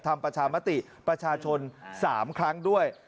ทำประชามติประชาชน๓ครั้งด้วย